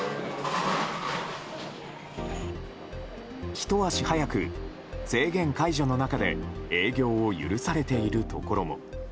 ひと足早く、制限解除の中で営業を許されているところも。